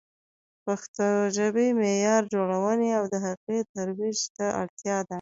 د پښتو ژبې معیار جوړونه او د هغې ترویج ته اړتیا ده.